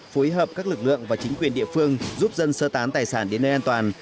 phối hợp các lực lượng và chính quyền địa phương giúp dân sơ tán tài sản đến nơi an toàn